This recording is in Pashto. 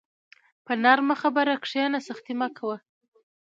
په نرمه خبره کښېنه، سختي مه کوه.